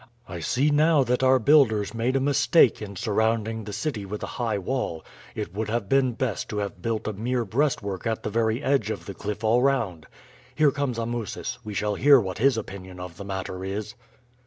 I see now that our builders made a mistake in surrounding the city with a high wall; it would have been best to have built a mere breastwork at the very edge of the cliff all round. Here comes Amusis; we shall hear what his opinion of the matter is."